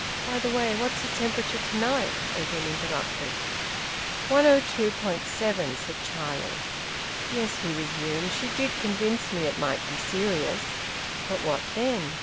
"By the way, what's his temperature to night?" Edwin interrupted. "102 point 7," said Charlie. "Yes," he resumed, "she did convince me it might be serious. But what then?